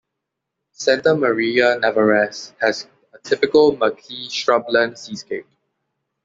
Santa Maria Navarrese has a typical maquis shrubland seascape.